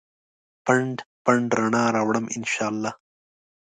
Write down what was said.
پنډ ، پنډ رڼا راوړمه ا ن شا الله